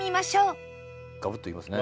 ガブッといきますね。